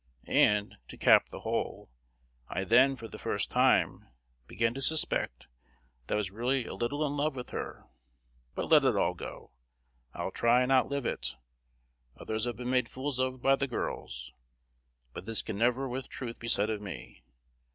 And, to cap the whole, I then, for the first time, began to suspect that I was really a little in love with her. But let it all go. I'll try and outlive it. Others have been made fools of by the girls; but this can never with truth be said of me.